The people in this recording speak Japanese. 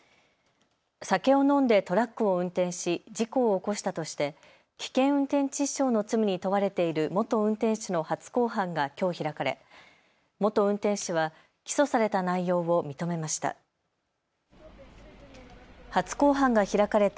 酒を飲んでトラックを運転し事故を起こしたとして危険運転致死傷の罪に問われている元運転手の初公判がきょう開かれ元運転手は起訴された内容を認めました。